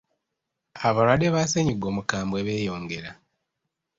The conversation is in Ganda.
Abalwadde ba ssennyiga omukambwe beeyongera.